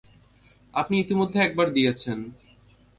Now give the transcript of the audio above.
আপনি ইতিমধ্যে একবার দিয়েছেন।